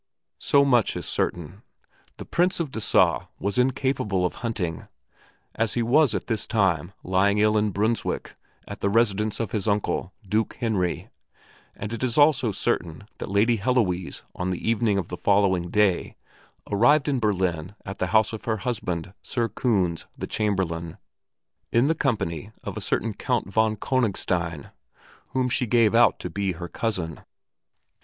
So much is certain: the Prince of Dessau was incapable of hunting, as he was at this time lying ill in Brunswick at the residence of his uncle, Duke Henry, and it is also certain that Lady Heloise on the evening of the following day arrived in Berlin at the house of her husband, Sir Kunz, the Chamberlain, in the company of a certain Count von Königstein whom she gave out to be her cousin.